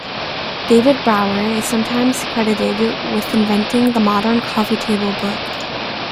David Brower is sometimes credited with inventing the "modern coffee table book".